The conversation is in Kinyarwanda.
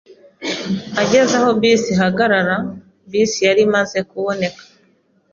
Ageze aho bisi zihagarara, bisi yari imaze kuboneka.